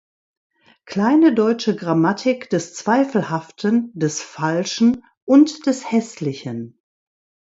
Kleine deutsche Grammatik des Zweifelhaften, des Falschen und des Häßlichen".